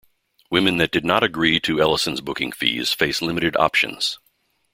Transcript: Women that did not agree to Ellison's booking fees faced limited options.